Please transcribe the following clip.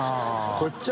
こっちは。